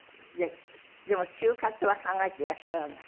でも終活は考えていらっしゃらない？